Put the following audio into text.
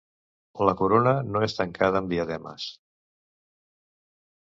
La corona no és tancada amb diademes.